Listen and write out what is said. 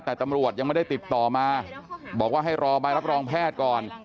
แต่ตำรวจยังไม่ได้ติดต่อมาบอกว่าให้รอใบรับรองแพทย์ก่อน